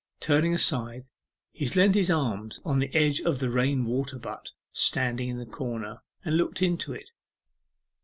Turning aside, he leant his arms upon the edge of the rain water butt standing in the corner, and looked into it.